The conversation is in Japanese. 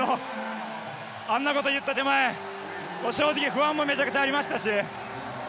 あんなこと言った手前正直、不安もめちゃくちゃありましたし。